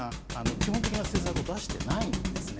基本的な政策を出していないんですね。